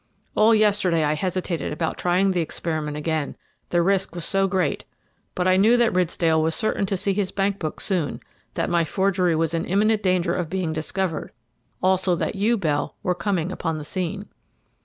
All yesterday I hesitated about trying the experiment again, the risk was so great; but I knew that Ridsdale was certain to see his bank book soon, that my forgery was in imminent danger of being discovered, also that you, Bell, were coming upon the scene.